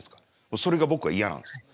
それが僕は嫌なんです。